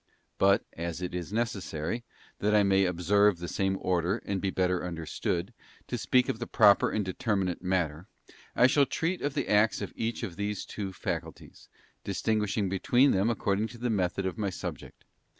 But, as it is necessary—that I may observe the same order, and be the better understood—to speak of the proper and determinate matter, I shall treat of the acts of each of these two faculties, distinguishing between them according to the method of my subject.